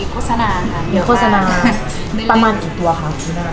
โฆษณาประมาณกี่ตัวค่ะ